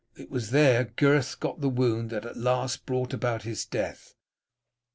It was there Gyrth got the wound that at last brought about his death.